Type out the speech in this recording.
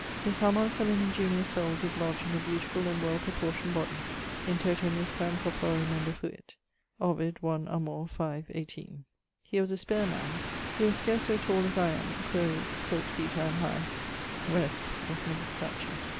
_> His harmonicall and ingeniose soul did lodge in a beautifull and well proportioned body: In toto nusquam corpore menda fuit. Ovid. <1 Amor. 5, 18.> He was a spare man. He was scarce so tall as I am quaere, quot feet I am high: resp., of middle stature.